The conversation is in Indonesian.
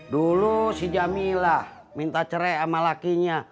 dulu si jamilah minta cerai sama lakinya